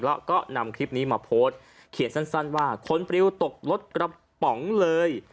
แล้วก็นำคลิปนี้มาโพสต์เขียนสั้นว่าคนปริวตกรถกระป๋องเลย